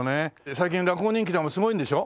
最近落語人気すごいんでしょ？